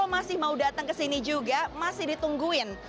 masih mau datang ke sini juga masih ditungguin